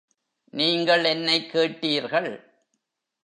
நீங்கள் என்னைக் கேட்டீர்கள்.